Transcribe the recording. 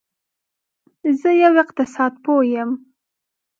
زه یو اقتصاد پوه یم